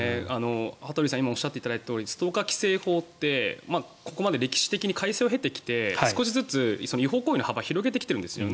羽鳥さんが今おっしゃっていただいたとおりストーカー規制法ってこれまで歴史的に改正を経てきて少しずつ違法行為の幅を広げてきているんですね。